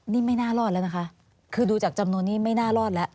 นี่ไม่น่ารอดแล้วนะคะคือดูจากจำนวนนี้ไม่น่ารอดแล้ว